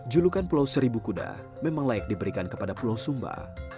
julukan pulau seribu kuda memang layak diberikan kepada pulau sumba